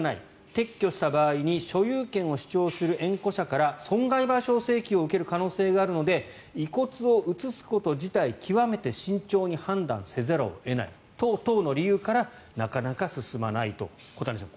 撤去した場合に所有権を主張する縁故者から損害賠償請求を受ける可能性があるので遺骨を移すこと自体極めて慎重に判断せざるを得ない等々の理由からなかなか進まないという小谷さん